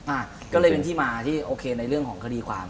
อ่ะก็เลยเป็นที่มาที่โอเคในเรื่องของคดีความ